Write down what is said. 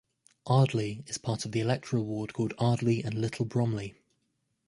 Ardleigh is part of the electoral ward called Ardleigh and Little Bromley.